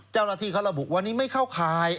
เจ้าหน้าที่เขาระบุวันนี้ไม่เข้าข่าย